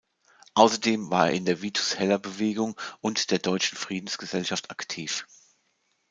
Außerdem war er in der "Vitus-Heller-Bewegung" und der Deutschen Friedensgesellschaft aktiv.